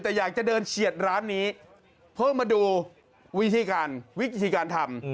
แต่อยากจะเดินเฉียดร้านนี้เพื่อมาดูวิธีการวิธีการทำ